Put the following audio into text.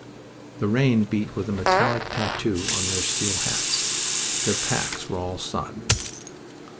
The rain beat with a metallic tattoo on their steel hats. Their packs were all sodden.